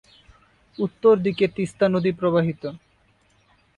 উত্তর দিকে তিস্তা নদী প্রবাহিত।